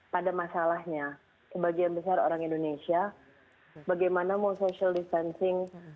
pada masalahnya sebagian besar orang indonesia bagaimana mau social distancing